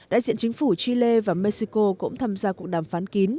đại diện chính phủ chile và mexico cũng tham gia cuộc đàm phán kín